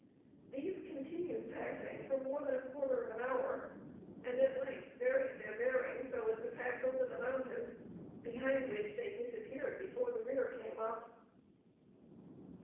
These continued passing for more than a quarter of an hour, and at length varied their bearing so as to pass over the mountain, behind which they disappeared before the rear came up.